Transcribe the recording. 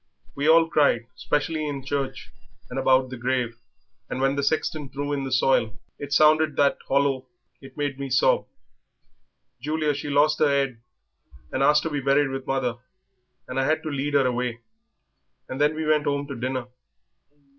We all cried, especially in church and about the grave, and when the sexton threw in the soil it sounded that hollow it made me sob. Julia, she lost her 'ead and asked to be buried with mother, and I had to lead her away; and then we went 'ome to dinner."